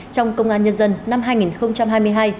trong công an nhân dân năm hai nghìn hai mươi hai